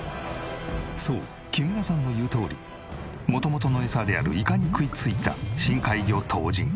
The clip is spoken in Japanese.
そう木村さんの言うとおり元々のエサであるイカに食いついた深海魚トウジン。